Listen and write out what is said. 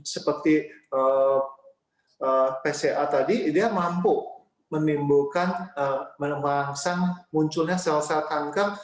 seperti pca tadi dia mampu menimbulkan menembangkan munculnya sel sel kanker